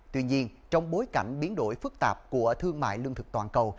tuy nhiên trong bối cảnh biến đổi phức tạp của thương mại lương thực toàn cầu